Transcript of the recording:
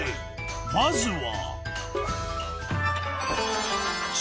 まずは。